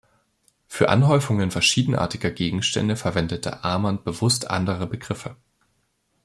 Für Anhäufungen verschiedenartiger Gegenstände verwendete Arman bewusst andere Begriffe.